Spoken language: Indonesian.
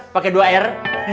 pakai dua r